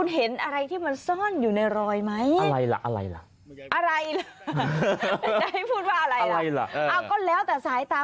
หลายพูดว่าอะไรหรือก็แล้วแต่สายตา